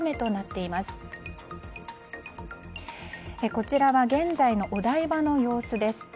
こちらは現在のお台場の様子です。